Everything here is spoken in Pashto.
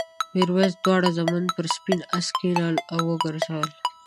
میرويس دواړه زامن پر سپین آس کېنول او وګرځول.